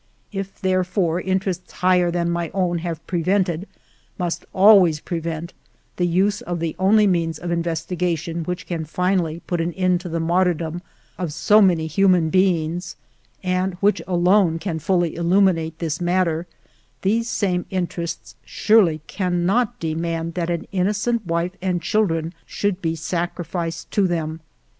" If, therefore, interests higher than my own have prevented, must always prevent, the use of the only means of investigation which can finally put an end to the martyrdom of so many human beings, and which alone can fully illuminate this matter, these same interests surely cannot demand that an innocent wife and children should be sacrificed to them.